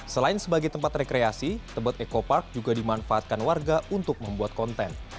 selain sebagai tempat rekreasi tebet eco park juga dimanfaatkan warga untuk membuat konten